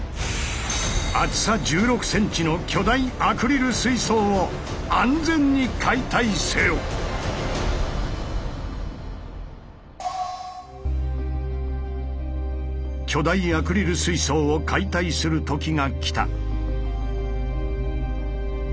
厚さ１６ｃｍの巨大アクリル水槽を解体する時が来た。